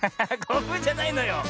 こぶじゃないのよ。